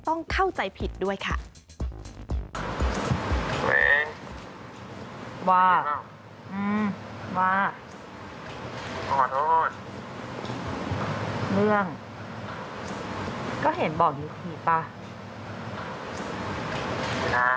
ต้องก็ปลอดภัยตัวเองก็ปลอดภัยนะ